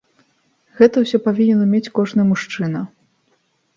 Гэта ўсё павінен умець кожны мужчына.